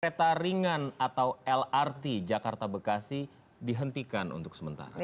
kereta ringan atau lrt jakarta bekasi dihentikan untuk sementara